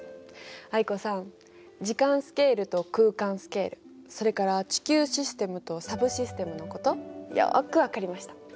藍子さん時間スケールと空間スケールそれから地球システムとサブシステムのことよく分かりました。